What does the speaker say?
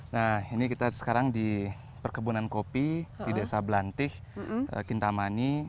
nah ini kita sekarang di perkebunan kopi di desa belantih kintamani